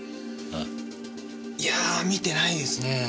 いや見てないですねぇ。